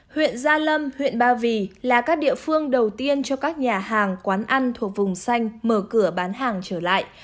huyện gia lâm huyện ba vì là các địa phương đầu tiên cho các nhà hàng quán ăn thuộc vùng xanh mở cửa bán hàng trở lại